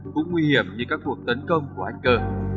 cũng nguy hiểm như các cuộc tấn công của hacker